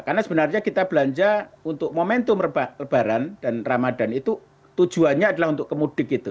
karena sebenarnya kita belanja untuk momentum lebaran dan ramadhan itu tujuannya adalah untuk kemudik itu